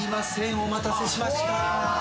お待たせしました。